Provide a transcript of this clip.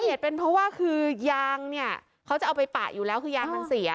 เหตุเป็นเพราะว่าคือยางเนี่ยเขาจะเอาไปปะอยู่แล้วคือยางมันเสีย